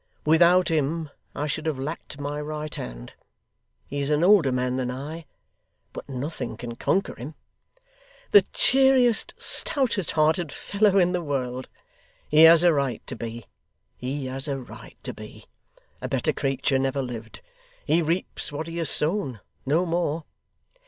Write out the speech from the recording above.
Without him, I should have lacked my right hand. He is an older man than I; but nothing can conquer him.' 'The cheeriest, stoutest hearted fellow in the world.' 'He has a right to be. He has a right to he. A better creature never lived. He reaps what he has sown no more.